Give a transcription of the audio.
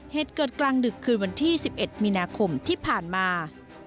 เหตุเกิดกลางดึกคืนวันที่๑๑มีนาคมที่ผ่านมา